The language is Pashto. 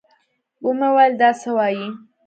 ومې ويل دا څه وايې.